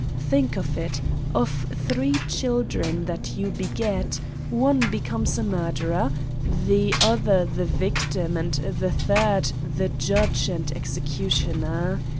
Think of it: of three children that you beget, one becomes a murderer, the other the victim and the third, the judge and executioner.